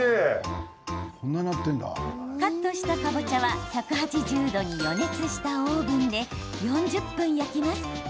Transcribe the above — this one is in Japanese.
カットした、かぼちゃは１８０度に予熱したオーブンで４０分焼きます。